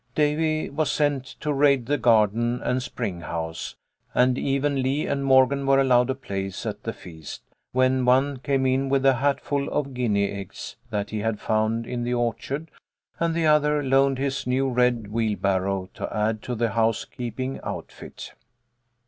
Davy was sent to raid the garden and spring house, and even Lee and Morgan were allowed a place at the feast, when one came in with a hatful of guinea eggs that he had found in the orchard, and the other loaned his new red wheelbarrow, to add to the housekeeping outfit.